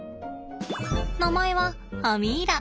名前はアミ―ラ。